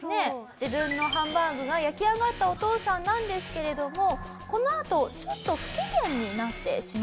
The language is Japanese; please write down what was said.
自分のハンバーグが焼き上がったお父さんなんですけれどもこのあとちょっと不機嫌になってしまうんですね。